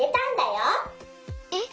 えっ？